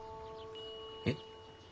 えっ？